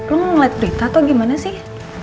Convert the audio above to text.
lu ngeliat berita atau gimana sih